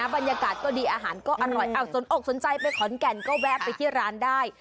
บรรยากาศก็ดีอาหารก็อร่อยสนอกสนใจไปขอนแก่นก็แวะไปที่ร้านได้